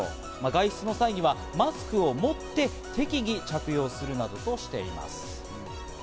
外出の際にはマスクを持って適宜、着用するなどとしています。